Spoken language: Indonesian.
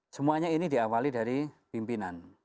semuanya ini diawali dari pimpinan